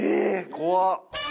怖っ